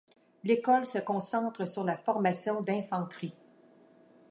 L'école se concentre sur la formation d'infanterie.